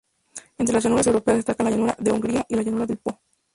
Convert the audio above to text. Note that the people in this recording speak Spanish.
Entre las llanuras europeas destacan la llanura de Hungría y la llanura del Po.